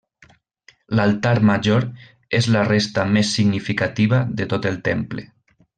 L'Altar major és la resta més significativa de tot el temple.